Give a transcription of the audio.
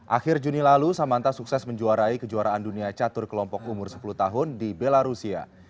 akhir juni lalu samanta sukses menjuarai kejuaraan dunia catur kelompok umur sepuluh tahun di belarusia